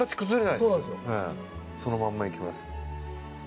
そのまんまいきます。